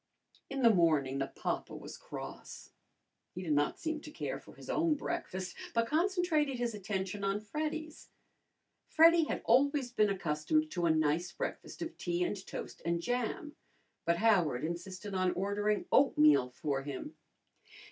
In the morning the papa was cross. He did not seem to care for his own breakfast, but concentrated his attention on Freddy's. Freddy had always been accustomed to a nice breakfast of tea and toast and jam, but Howard insisted on ordering oatmeal for him.